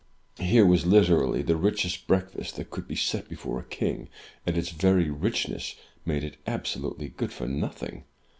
Here was literally the richest breakfast that could be set before a king, and its very richness made it absolutely good for nothing.